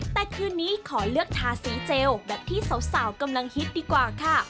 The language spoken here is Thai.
แต่คืนนี้ขอเลือกทาสีเจลแบบที่สาวกำลังฮิตดีกว่าค่ะ